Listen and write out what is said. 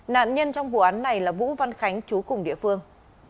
nạn nhân trong vụ án này là vũ văn khánh chú cùng địa phương